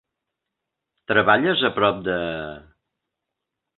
Treballes a prop de...?